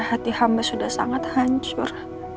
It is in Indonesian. hati hamba sudah sangat hancur